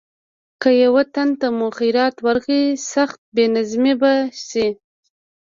که یو تن ته مو خیرات ورکړ سخت بې نظمي به شي.